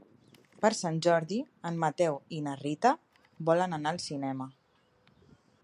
Per Sant Jordi en Mateu i na Rita volen anar al cinema.